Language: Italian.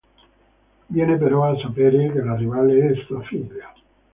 Viene però a sapere che la rivale è sua figlia.